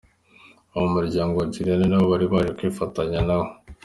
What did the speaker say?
Abo mu muryango wa Juliana nabo bari baje kwifatanya na we.